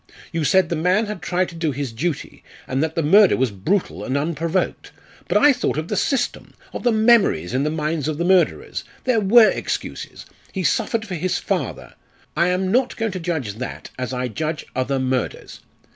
You said the man had tried to do his duty, and that the murder was brutal and unprovoked. But I thought of the system of the memories in the minds of the murderers. There were excuses he suffered for his father I am not going to judge that as I judge other murders.